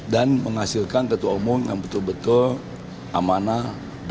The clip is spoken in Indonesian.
dan menghasilkan ketua umum yang betul betul amanah